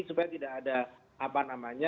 supaya tidak ada